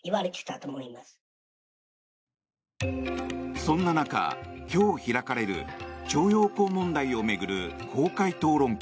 そんな中、今日開かれる徴用工問題を巡る公開討論会。